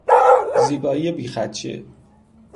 زیبایی بیخدشه